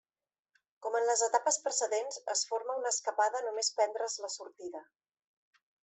Com en les etapes precedents es forma una escapada només prendre's la sortida.